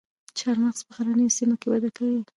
چهارمغز په غرنیو سیمو کې وده کوي